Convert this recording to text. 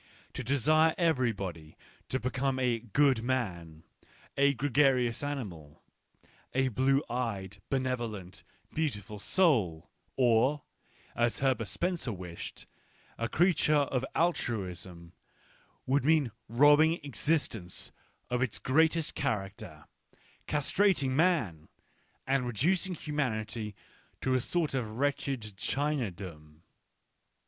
To desire everybody to become a " good man," " a gregarious animal/ " a blue eyed, benevolent, beautiful soul," or — as Herbert Spencer wished — a creature of al truism, would mean robbing existence of its greatest character, castrating man, and reducing humanity to a sort of wretched Chinadom.